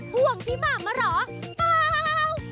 ห่วงพี่หม่ำเหรอเปล่า